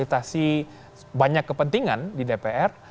dengan banyak stakeholder